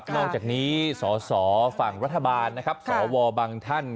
นอกจากนี้สสฝรัฐบาลสวบางท่าน